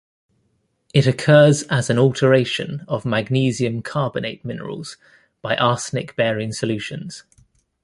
It occurs as an alteration of magnesium carbonate minerals by arsenic bearing solutions.